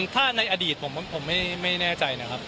ถ้าในอดีตผมไม่แน่ใจนะครับ